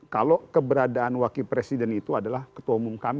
kalau keberadaan wakil presiden itu adalah ketua umum kami